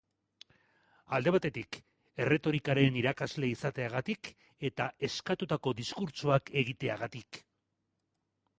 Alde batetik, erretorikaren irakasle izateagatik eta eskatutako diskurtsoak egiteagatik.